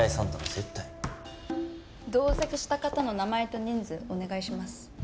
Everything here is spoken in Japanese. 同席した方の名前と人数お願いします。